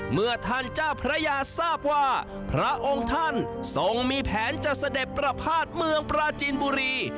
เมื่อท่านเจ้าพระยาทราบว่าพระองค์ท่านทรงมีแผนจะเสด็จประพาทเมืองปราจีนบุรี